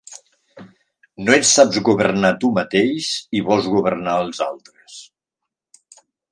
No et saps governar tu mateix i vols governar els altres.